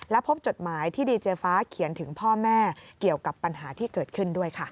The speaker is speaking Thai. และพบจดหมายที่ดีเจฟ้าเขียนถึงพ่อแม่เกี่ยวกับปัญหาที่เกิดขึ้นด้วยค่ะ